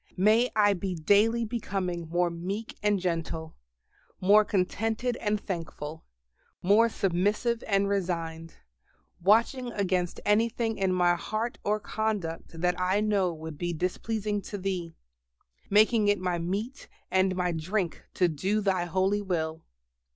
May I be daily becoming more meek and gentle, more contented and thankful, more submissive and resigned, watching against anything in my heart or conduct that I know would be displeasing to Thee, making it my meat and my drink to do Thy holy will.